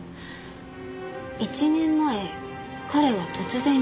１年前彼は突然消えた。